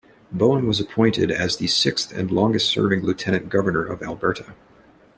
Bowen was appointed as the sixth and longest-serving Lieutenant Governor of Alberta.